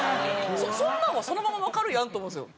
そんなんはそのままわかるやんと思うんですよ。